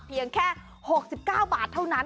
เพียงแค่๖๙บาทเท่านั้น